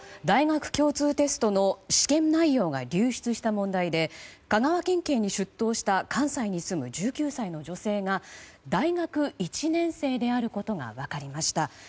大学共通テストの試験内容が流出した問題で香川県警に出頭した関西に住む１９歳の女性が大学１年生であることが分かりました。